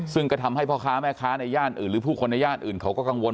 ซึ่งก็ทำให้พ่อค้าแม่ค้าในย่านอื่นหรือผู้คนในย่านอื่นเขาก็กังวล